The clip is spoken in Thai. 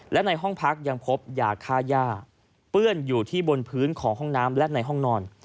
และในห้องพักยังพบยาค่าย่าเปื้อนอยู่ที่บนพื้นของห้องน้ำและในห้องนอน